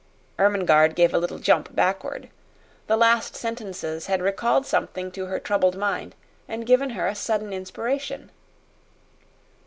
Ermengarde gave a little jump backward. The last sentences had recalled something to her troubled mind and given her a sudden inspiration.